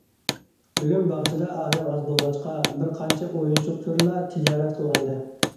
بۈگۈن باغچىدا ئادەم ئاز بولغاچقا، بىر قانچە ئويۇنچۇق تۈرىلا تىجارەت قىلغانىدى.